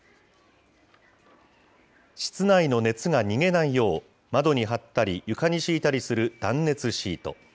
室内の熱が逃げないよう、窓に貼ったり、床に敷いたりする断熱シート。